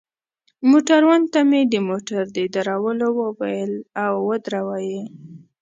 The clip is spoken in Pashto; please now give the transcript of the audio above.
موټروان ته مې د موټر د درولو وویل، او ودروه يې.